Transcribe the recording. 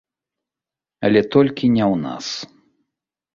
Але толькі не ў нас.